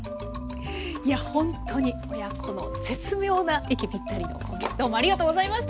いやほんとに親子の絶妙な息ぴったりのコンビどうもありがとうございました。